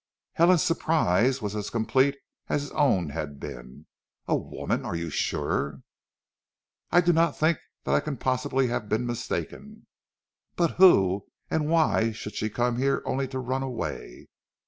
Helen's surprise was as complete as his own had been. "A woman! Are you sure?" "I do not think that I can possibly have been mistaken." "But who and why should she come here only to run away?"